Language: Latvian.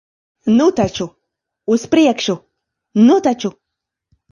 Nu taču, uz priekšu. Nu taču!